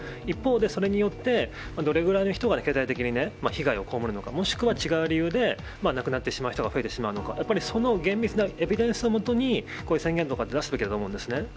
一方でそれによって、どれくらいの人が経済的に被害を被るのか、もしくは違う理由で亡くなってしまう人が増えてしまうのか、やっぱりその厳密なエビデンスを基に、こういう宣言とかって出すべきだと思うんですよね。